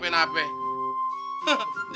heh jangan jangan lo sendiri